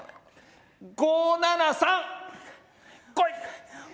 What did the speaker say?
５７３こい！